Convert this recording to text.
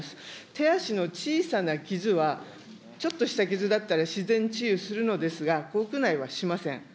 手足の小さな傷は、ちょっとした傷だったら自然治癒するのですが、口腔内はしません。